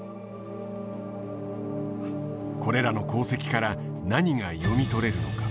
これらの航跡から何が読み取れるのか。